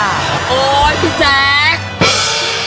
โอ๊ยพี่แจ๊ค